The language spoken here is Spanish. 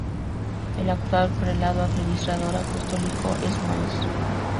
El actual prelado, Administrador Apostólico es Mons.